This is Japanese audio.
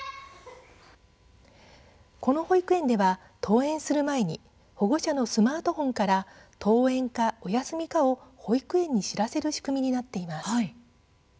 この保育園では登園する前に保護者のスマートフォンから登園か、お休みかを保育園に知らせる仕組みになっています。